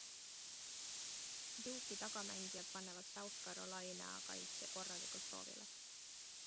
Duke'i tagamängijad panevad South Carolina kaitse korralikult proovile.